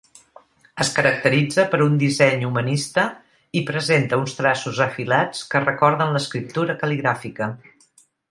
Es caracteritza per un disseny humanista i presenta uns traços afilats que recorden l'escriptura cal·ligràfica.